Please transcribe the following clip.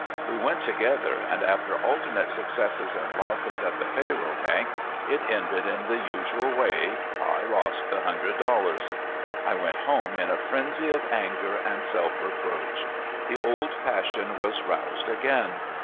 We went together, and after alternate successes and losses at the faro bank, it ended in the usual way: I lost the hundred dollars. I went home in a frenzy of anger and self reproach. The old passion was roused again.